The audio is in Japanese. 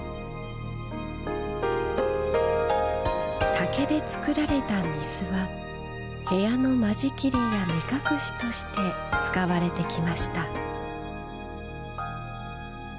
竹で作られた御簾は部屋の間仕切りや目隠しとして使われてきました。